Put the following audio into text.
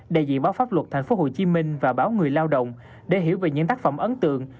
đại diện báo pháp luật tp hcm và báo người lao động đã hiểu về những tác phẩm ấn tượng